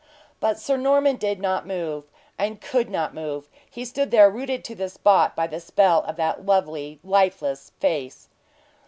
But Sir Norman did not move could not move; he stood there rooted to the spot by the spell of that lovely, lifeless face.